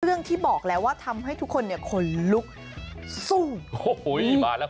ที่บอกแล้วว่าทำให้ทุกคนเนี่ยขนลุกสู้โอ้โหมาแล้ว